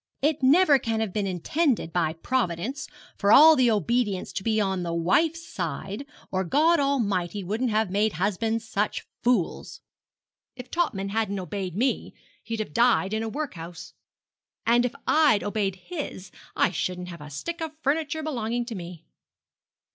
It never can have been intended by Providence for all the obedience to be on the wife's side, or God Almighty wouldn't have made husbands such fools. If Topman hadn't obeyed me he'd have died in a workhouse; and if I'd obeyed him I shouldn't have a stick of furniture belonging to me.'